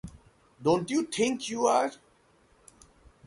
Don't you think you are?